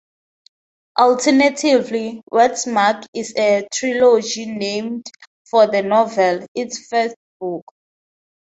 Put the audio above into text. Alternatively, "Westmark" is a trilogy named for the novel, its first book.